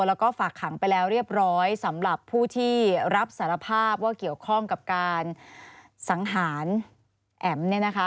แล้วก็ฝากขังไปแล้วเรียบร้อยสำหรับผู้ที่รับสารภาพว่าเกี่ยวข้องกับการสังหารแอ๋มเนี่ยนะคะ